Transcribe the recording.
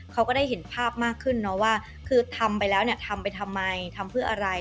ก็ได้เห็นภาพมากขึ้นเนาะว่าคือทำไปแล้วเนี่ยทำไปทำไมทำเพื่ออะไร